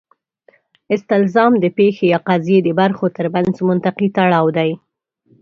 استلزام د پېښې یا قضیې د برخو ترمنځ منطقي تړاو دی.